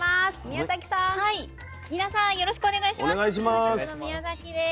よろしくお願いします。